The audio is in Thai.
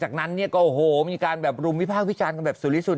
จากนั้นเนี่ยก็โอ้โหมีการแบบรุมวิพากษ์วิจารณ์กันแบบสุริสุด